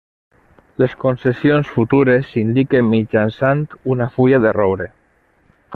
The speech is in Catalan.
Les concessions futures s'indiquen mitjançant una fulla de roure.